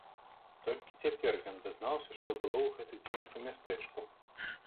Толькі цяпер ён дазнаўся, што было ў гэты дзень у мястэчку.